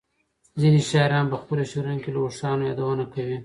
ځینې شاعران په خپلو شعرونو کې له اوښانو یادونه کوي.